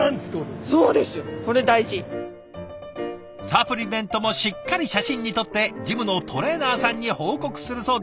サプリメントもしっかり写真に撮ってジムのトレーナーさんに報告するそうです。